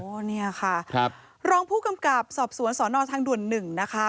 เนี่ยค่ะครับรองผู้กำกับสอบสวนสอนอทางด่วน๑นะคะ